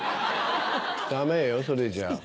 ダメよそれじゃ。